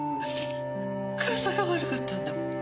母さんが悪かったんだ。